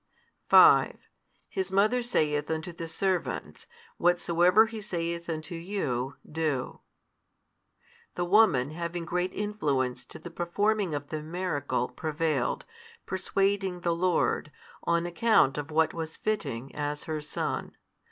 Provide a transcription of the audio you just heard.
5 His mother saith unto the servants, Whatsoever He saith unto you, do. The woman having great influence to the performing of the miracle, prevailed, persuading the Lord, on account of what was fitting, as her Son.